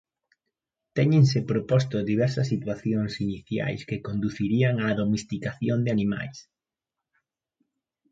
Téñense proposto diversas situacións iniciais que conducirían á domesticación de animais.